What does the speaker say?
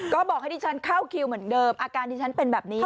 ก็บอกให้ดิฉันเข้าคิวเหมือนเดิมอาการที่ฉันเป็นแบบนี้